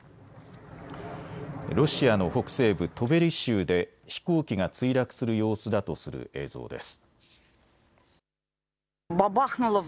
ロシアの北西部トベリ州で飛行機が墜落する様子だとする映像です。